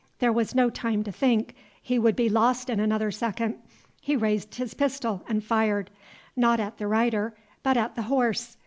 There was no time to think, he would be lost in another second. He raised his pistol and fired, not at the rider, but at the horse.